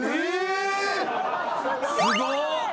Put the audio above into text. すごっ！